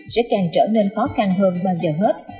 sẽ càng trở nên khó khăn hơn bao giờ hết